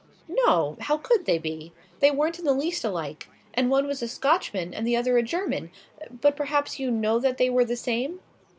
"No. How could they be? They weren't in the least alike. And one was a Scotchman and the other a German. But perhaps you know that they were the same?"